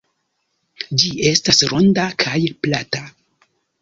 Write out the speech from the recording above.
Ĝi estas ronda kaj plata.